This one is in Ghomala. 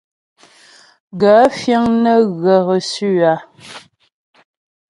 Gaə̂ fíŋ nə́ ghə̀ reçu a ?